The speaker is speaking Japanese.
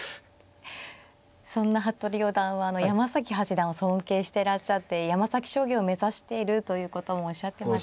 そんな服部四段は山崎八段を尊敬してらっしゃって山崎将棋を目指しているということもおっしゃってました。